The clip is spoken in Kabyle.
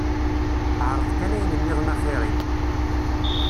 Ԑreḍ kan ayen nniḍen axir-im.